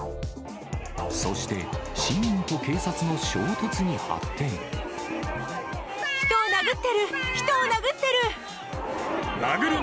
そして市民と警察の衝突に発人を殴ってる、人を殴ってる。